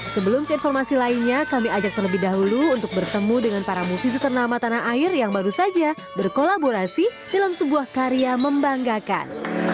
sebelum ke informasi lainnya kami ajak terlebih dahulu untuk bertemu dengan para musisi ternama tanah air yang baru saja berkolaborasi dalam sebuah karya membanggakan